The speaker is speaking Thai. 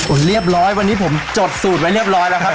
เรียบร้อยวันนี้ผมจดสูตรไว้เรียบร้อยแล้วครับ